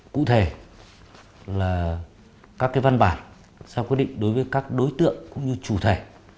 cụ thể là các văn bản sao quyết định đối với các đối tượng cũng như chủ thể